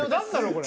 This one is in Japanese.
これ。